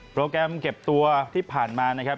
โปรแกรมเก็บตัวที่ผ่านมานะครับ